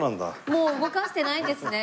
もう動かしてないですね。